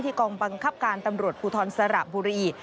กองบังคับการตำรวจภูทรสระบุรี